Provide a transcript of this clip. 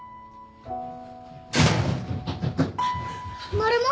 ・マルモ？